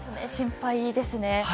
心配ですね。